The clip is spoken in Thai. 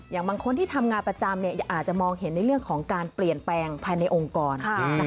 อย่างบางคนที่ทำงานประจำอาจจะมองเห็นในเรื่องของการเปลี่ยนแปลงภายในองค์กร